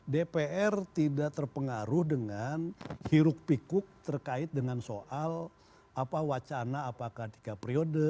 dpr tidak terpengaruh dengan hiruk pikuk terkait dengan soal wacana apakah tiga periode